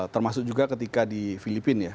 termasuk juga ketika di filipina ya